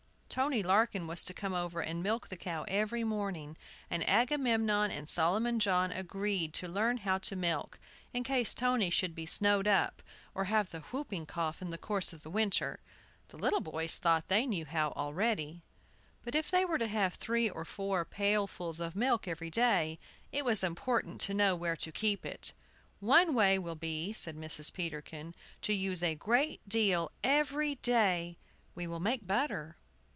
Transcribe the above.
Tony Larkin was to come over and milk the cow every morning, and Agamemnon and Solomon John agreed to learn how to milk, in case Tony should be "snowed up," or have the whooping cough in the course of the winter. The little boys thought they knew how already. But if they were to have three or four pailfuls of milk every day, it was important to know where to keep it. "One way will be," said Mrs. Peterkin, "to use a great deal every day. We will make butter."